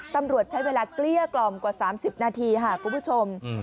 ตำรวจใช้เวลาเกลี้ยกล่อมกว่า๓๐นาทีค่ะคุณผู้ชม